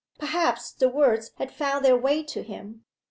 Perhaps the words had found their way to him?